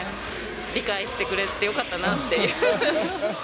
理解してくれてよかったなっていう。